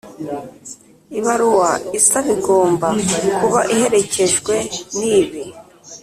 Ibaruwa isaba igomba kuba iherekejwe n ibi